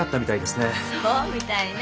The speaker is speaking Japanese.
そうみたいね。